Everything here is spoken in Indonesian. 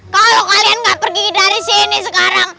kalau kalian nggak pergi dari sini sekarang